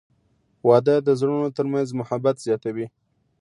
• واده د زړونو ترمنځ محبت زیاتوي.